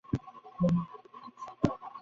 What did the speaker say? তিনি একজন পবিত্র ব্যক্তি ছিলেন, তাঁর আচরণে নিখুঁত।